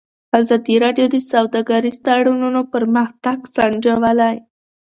ازادي راډیو د سوداګریز تړونونه پرمختګ سنجولی.